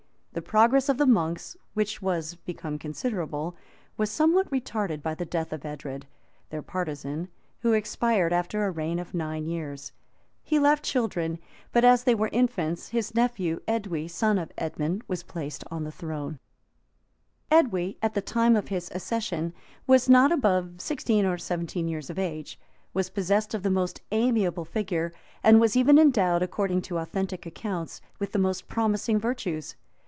The progress of the monks, which was become considerable, was somewhat retarded by the death of Edred, their partisan, who expired after a reign of nine years. He left children; but as they were infants, his nephew Edwy, son of Edmund, was placed on the throne. EDWY {955.} Edwy, at the time of his accession, was not above sixteen or seventeen years of age, was possessed of the most amiable figure, and was even endowed, according to authentic accounts, with the most promising virtues.